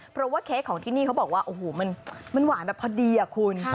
เพราะว่าเค้กของที่นี่เขาบอกว่าโอ้โหมันหวานแบบพอดีอะคุณ